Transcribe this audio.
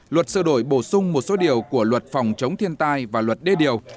luật sửa đổi bổ sung một số điều của luật phòng chống thiên tai và luật đê điều